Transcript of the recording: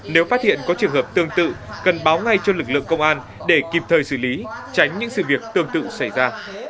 nếu phát hiện có trường hợp tương tự cần báo ngay cho lực lượng công an để kịp thời xử lý tránh những sự việc tương tự xảy ra